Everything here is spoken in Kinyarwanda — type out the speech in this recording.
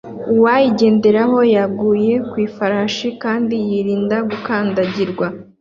Uwayigenderaho yaguye ku ifarashi kandi yirinda gukandagirwa